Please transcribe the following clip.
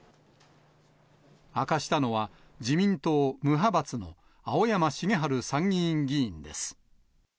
明かしたのは自民党無派閥の青山繁晴参議院議員です。